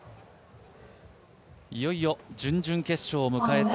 いよいよ準々決勝を迎えた